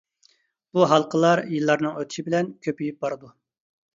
بۇ ھالقىلار يىللارنىڭ ئۆتۈشى بىلەن كۆپىيىپ بارىدۇ.